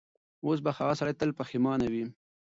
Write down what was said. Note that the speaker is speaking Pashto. اوس به هغه سړی تل پښېمانه وي.